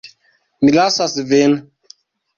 Mi lasas vin.